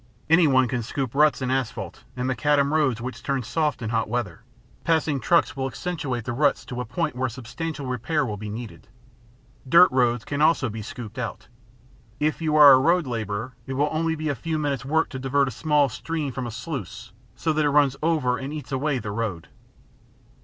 Anyone can scoop ruts in asphalt and macadam roads which turn soft in hot weather; passing trucks will accentuate the ruts to a point where substantial repair will be needed. Dirt roads also can be scooped out. If you are a road laborer, it will be only a few minutes work to divert a small stream from a sluice so that it runs over and eats away the road.